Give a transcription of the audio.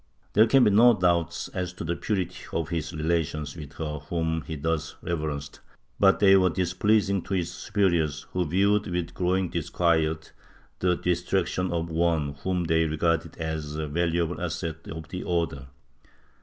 There can be no doubts as to the purity of his relations with her whom he thus reverenced, but they were displeasing to his superiors who viewed with growing disquiet the distraction of one whom they regarded as a valuable asset of the Order.